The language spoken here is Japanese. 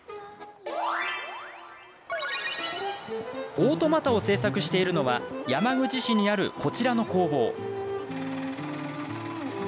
オートマタを制作しているのは山口市にある、こちらの工房。